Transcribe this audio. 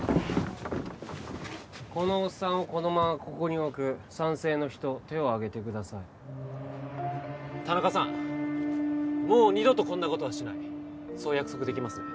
このおっさんをこのままここに置く賛成の人手を挙げてください田中さんもう二度とこんなことはしないそう約束できますね？